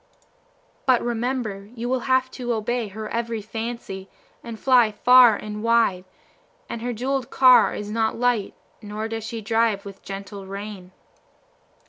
"But remember you will have to obey her every fancy, and fly far and wide; and her jewelled car is not light, nor does she drive with gentle rein."